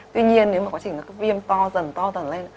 tuy nhiên nếu mà quá trình viêm to dần to dần lên